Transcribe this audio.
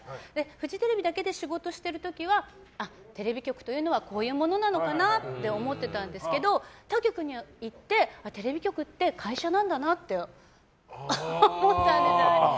フジテレビだけで仕事している時はテレビ局というのはこういうものなのかなって思ってたんですけど他局に行ってテレビ局って会社なんだなって思ったんです。